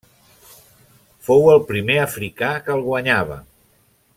Fou el primer africà que el guanyava.